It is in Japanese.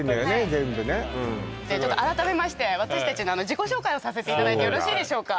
全部ねちょっと改めまして私達の自己紹介をさせていただいてよろしいでしょうか